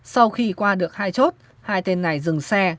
sau khi qua được hai chốt hai tên này dừng xe